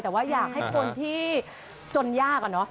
แต่ว่าอยากให้คนที่จนยากอะเนาะ